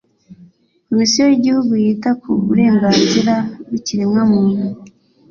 komisiyo y'igihugu yita ku burenganzira bw'ikiremwamuntu